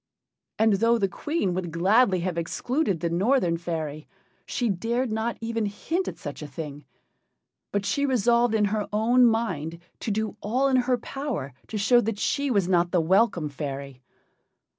And though the Queen would gladly have excluded the Northern fairy, she dared not even hint at such a thing. But she resolved in her own mind to do all in her power to show that she was not the welcome fairy.